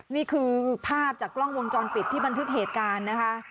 นี่คือภาพจากกล้องวงจรปิดที่บันทึกเหตุการณ์นะคะ